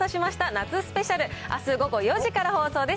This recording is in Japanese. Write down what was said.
夏スペシャル、あす午後４時から放送です。